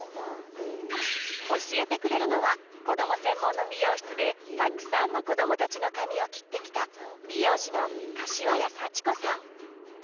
教えてくれるのは子ども専門の美容室でたくさんの子どもたちの髪を切ってきた美容師の柏谷早智子さん。